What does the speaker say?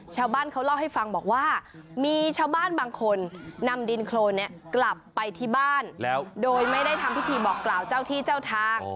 ชาวบ้านเขาเล่าให้ฟังบอกว่ามีชาวบ้านบางคนนำดินโครนนี้กลับไปที่บ้านแล้วโดยไม่ได้ทำพิธีบอกกล่าวเจ้าที่เจ้าทาง